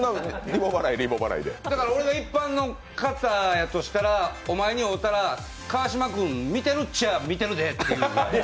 俺が一般の方やとしたら、お前に会うたら、川島君見てるっちゃ見てるでって言う。